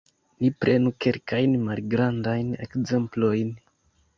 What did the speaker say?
Ni prenu kelkajn malgrandajn ekzemplojn.